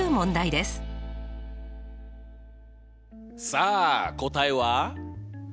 さあ答えは？